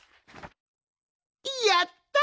やった！